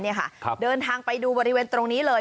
เขาเดินทางไปดูบริเวณตรงนี้เลย